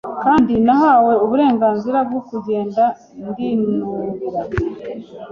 Kandi nahawe uburenganzira bwo kugenda ndinubira